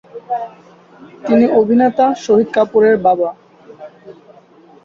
তিনি অভিনেতা শহীদ কাপুরের বাবা।